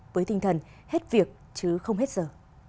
với tinh thần hết việc chứ không hết giờ